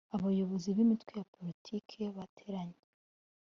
abayobozi b’imitwe ya politiki bateranye